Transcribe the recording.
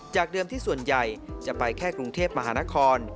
เดิมที่ส่วนใหญ่จะไปแค่กรุงเทพมหานคร